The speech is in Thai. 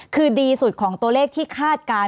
คือดีสุดของตัวเลขที่คาดการณ์